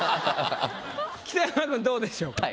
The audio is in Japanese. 北山君どうでしょうか？